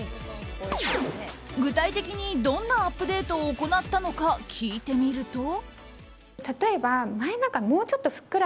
具体的にどんなアップデートを行ったのか聞いてみると。